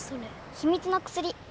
秘密の薬。